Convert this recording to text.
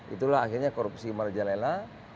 itulah akhirnya korupsi marjalela